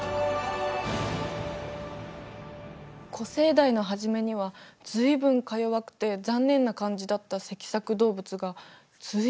古生代のはじめには随分か弱くて残念な感じだった脊索動物が随分進化したのね。